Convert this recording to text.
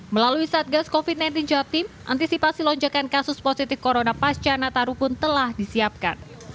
melalui satgas covid sembilan belas jawa timur antisipasi lonjakan kasus positif corona pasca nataru pun telah disiapkan